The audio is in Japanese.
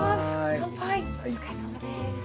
お疲れさまです。